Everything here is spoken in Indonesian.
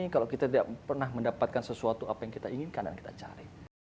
kalau kita tidak pernah mendapatkan sesuatu apa yang kita inginkan dan kita cari